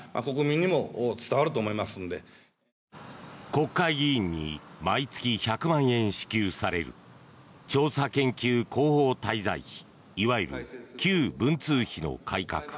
国会議員に毎月１００万円支給される調査研究広報滞在費いわゆる旧文通費の改革。